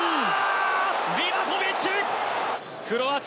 リバコビッチ！